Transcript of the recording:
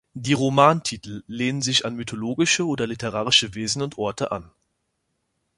Die Romantitel lehnen sich an mythologische oder literarische Wesen und Orte an.